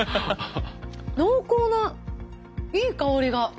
濃厚ないい香りが。